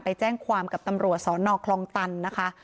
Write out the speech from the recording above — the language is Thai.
ไปแจ้งความกับตำรวจสนคลองตันนะคะ